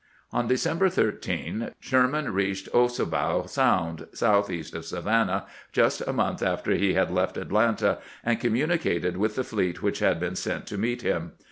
On December 13 Sherman reached Ossabaw Sound, southeast of Savannah, just a month after he had left Atlanta, and communicated with the fleet which had been sent to meet him.